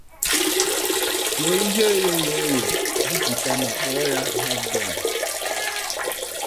sie ihe egheghị eghe bupụta ma kpọọ ya 'haff dọn'